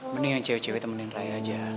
mending yang cewek cewek temenin raya aja